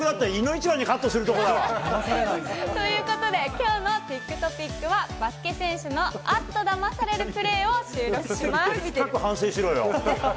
これ、収録だったらいの一番にカットするとこだよ。ということで、きょうのティックトピックは、バスケ選手のあっとだまされるプ